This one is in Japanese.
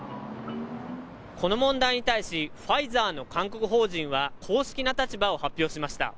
この問題に対し、ファイザーの韓国法人は、公式な立場を発表しました。